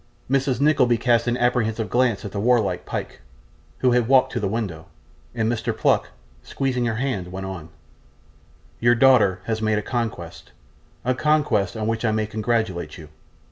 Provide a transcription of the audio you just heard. Mrs. Nickleby cast an apprehensive glance at the warlike Pyke, who had walked to the window; and Mr. Pluck, squeezing her hand, went on: 'Your daughter has made a conquest a conquest on which I may congratulate you.